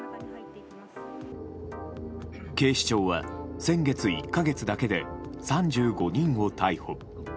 警視庁は、先月１か月だけで３５人を逮捕。